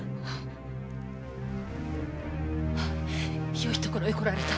よいところへ来られた。